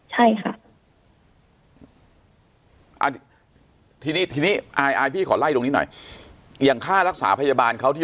ใช่ค่ะทีนี้ทีนี้อายพี่ขอไล่ตรงนี้หน่อยอย่างค่ารักษาพยาบาลเขาที่